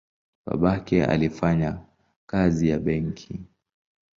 Babake alifanya kazi ya benki.